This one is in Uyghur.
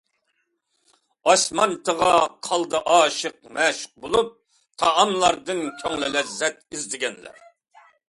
ئاش مانتىغا قالدى ئاشىق-مەشۇق بولۇپ، تائاملاردىن كۆڭلى لەززەت ئىزدىگەنلەر.